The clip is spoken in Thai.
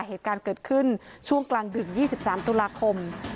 เหตุการณ์เกิดขึ้นช่วงกลางดึก๒๓ตุลาคม